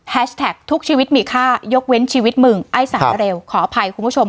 แท็กทุกชีวิตมีค่ายกเว้นชีวิตมึงไอ้สารเร็วขออภัยคุณผู้ชม